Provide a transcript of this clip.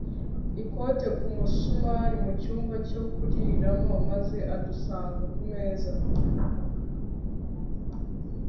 ikote ku musumari mucyumba cyo kuriramo maze adusanga ku meza